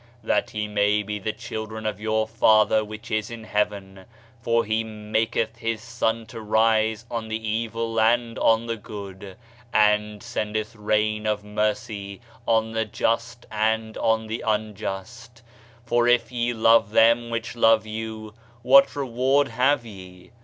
That ye may be the children of your Father which is in heaven : for he maketh his sun to rise on the evil and on the good, and sendeth rain (of mercy) on the just and on the unjust. For if ye love them which love you, what reward have ye?